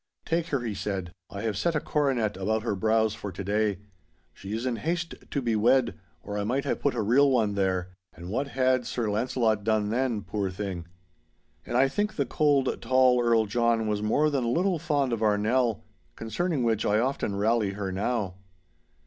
'Take her,' he said, 'I have set a coronet about her brows for to day. She is in haste to be wed, or I might have put a real one there. And what had Sir Launcelot done then, poor thing?' And I think the cold, tall Earl John was more than a little fond of our Nell, concerning which I often rally her now.